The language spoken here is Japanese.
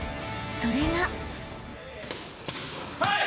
［それが］